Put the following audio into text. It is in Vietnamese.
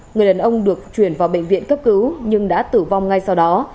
người đàn ông được chuyển vào bệnh viện cấp cứu nhưng đã tử vong ngay sau đó